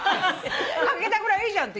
欠けたぐらいいいじゃんって。